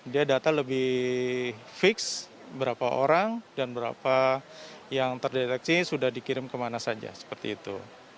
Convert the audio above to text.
dia data lebih fix berapa orang dan berapa yang terdeteksi sudah dikirim kemana saja seperti itu